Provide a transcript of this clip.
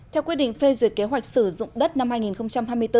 theo quyết định phê duyệt kế hoạch sử dụng đất năm hai nghìn hai mươi bốn